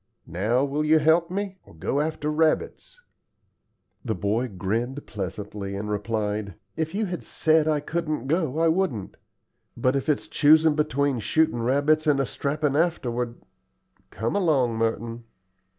Now, will you help me? or go after rabbits?" The boy grinned pleasantly, and replied, "If you had said I couldn't go, I wouldn't; but if it's choosin' between shootin' rabbits and a strappin' afterward come along, Merton."